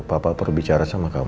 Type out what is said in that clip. bapak perbicara sama kamu